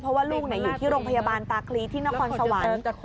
เพราะว่าลูกอยู่ที่โรงพยาบาลตาคลีที่นครสวรรค์